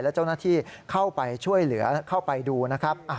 และเจ้าหน้าที่เข้าไปช่วยเหลือเข้าไปดูนะครับ